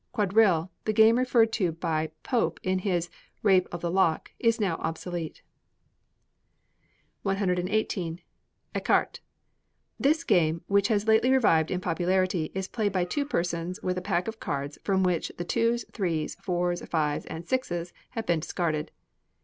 Quadrille, the game referred to by Pope in his "Rape of the Lock," is now obsolete. 118. Ecarté. This game, which has lately revived in popularity, is played by two persons with a pack of cards from which the twos, threes, fours, fives, and sixes have been discarded.